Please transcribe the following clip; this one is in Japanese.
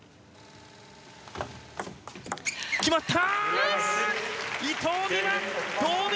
決まった！